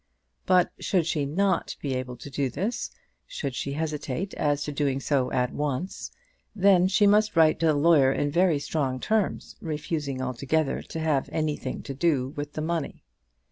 But should she not be able to do this, should she hesitate as to doing so at once, then she must write to the lawyer in very strong terms, refusing altogether to have anything to do with the money.